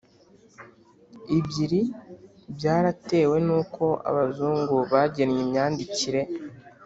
ebyiri byaratewe n’uko Abazungu bagennye imyandikire